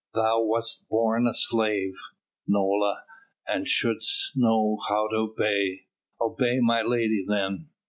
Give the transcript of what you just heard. Thou wast born a slave, Nola, and shouldst know how to obey. Obey my lady then.